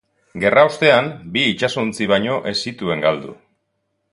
Gerra ostean, bi itsasontzi baino ez zituen galdu.